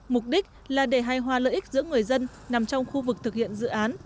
mục đích là để hài hòa lợi ích giữa người dân nằm trong khu vực thực hiện dự án